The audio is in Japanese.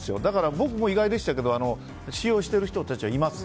僕も意外でしたけど使用している人たちはいます。